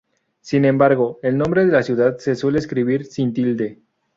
Sin embargo, el nombre de la ciudad se suele escribir sin tilde.